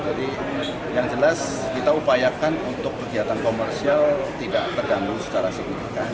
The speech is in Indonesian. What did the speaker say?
jadi yang jelas kita upayakan untuk kegiatan komersial tidak terganggu secara signifikan